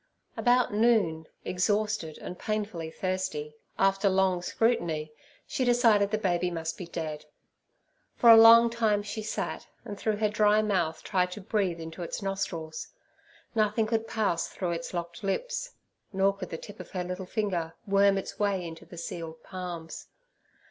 About noon, exhausted and painfully thirsty, after long scrutiny, she decided the baby must be dead. For a long time she sat, and through her dry mouth tried to breathe into its nostrils; nothing could pass through its locked lips, nor could the tip of her little finger worm its way into the sealed palms.